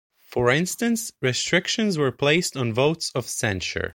For instance, restrictions were placed on votes of censure.